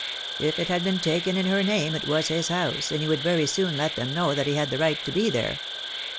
If it had been taken in her name it was his house, and he would very soon let them know that he had the right to be there.